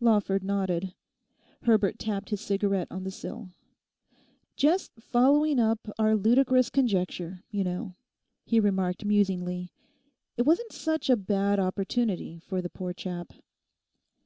Lawford nodded. Herbert tapped his cigarette on the sill. 'Just following up our ludicrous conjecture, you know,' he remarked musingly, 'it wasn't such a bad opportunity for the poor chap.